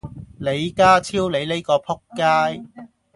李家超你呢個仆街